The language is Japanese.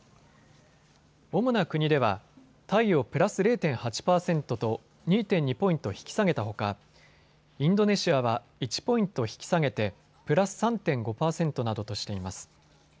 主な国ではタイをプラス０．８％と２．２ポイント引き下げたほかインドネシアは１ポイント引き下げてプラス３．５％などとしています。